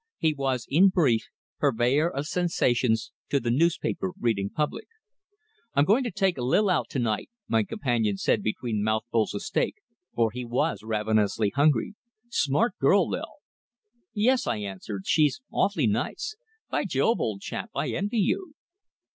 He was, in brief, purveyor of sensations to the newspaper reading public. "I'm going to take Lil out to night," my companion said between mouthfuls of steak, for he was ravenously hungry. "Smart girl, Lil." "Yes," I answered. "She's really awfully nice. By Jove! old chap, I envy you."